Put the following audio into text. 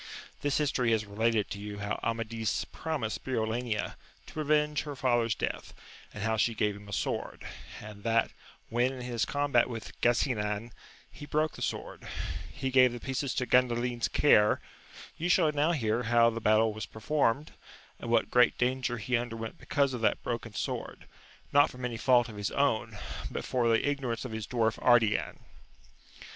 HIS history has related to you how Amadis promised Briolania to revenge her father's death, and how she gave him a sword, and that when in his combat with Gasinan he broke the sword, he gave the pieces to Gandalin's care : you shall now hear how the battle was performed, and what great danger he underwent \i^ca.\3fi»^ ^i ^Cwb^Xs^ 216 AMADIS OF GAUL. eword, not from any fault of his own, but for the ignoi ance of his dwarf Ardian.